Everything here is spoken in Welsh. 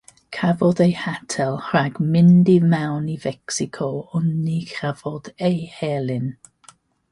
Cafodd ei hatal rhag mynd i mewn i Fecsico, ond ni chafodd ei herlyn.